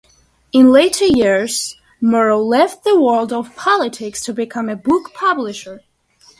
In later years, Morrow left the world of politics to become a book publisher.